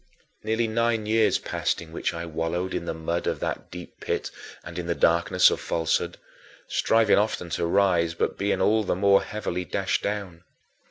Nearly nine years passed in which I wallowed in the mud of that deep pit and in the darkness of falsehood, striving often to rise, but being all the more heavily dashed down.